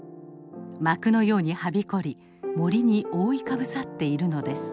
幕のようにはびこり森に覆いかぶさっているのです。